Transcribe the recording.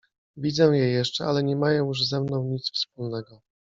Widzę je jeszcze, ale nie mają już ze mną nic wspólnego.